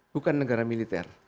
bukan negara militer